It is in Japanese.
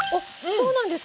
そうなんです。